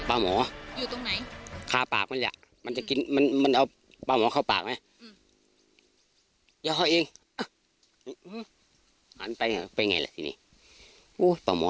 โอ้โหปลาหมอโอ้โหสี่ยาวดิสามนิ้วมันยาวแบบนี้อืม